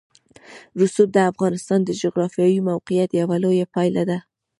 رسوب د افغانستان د جغرافیایي موقیعت یوه لویه پایله ده.